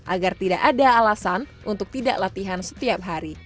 agar tidak ada alasan untuk tidak latihan setiap hari